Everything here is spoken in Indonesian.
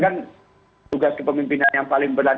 kan tugas kepemimpinan yang paling berat